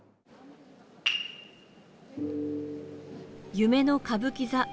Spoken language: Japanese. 夢の歌舞伎座。